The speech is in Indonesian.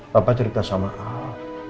papa cerita sama al